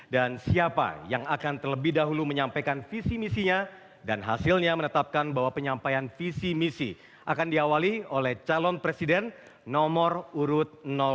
dan siapa yang akan terlebih dahulu menyampaikan visi misinya dan hasilnya menetapkan bahwa penyampaian visi misi akan diawali oleh calon presiden nomor urut dua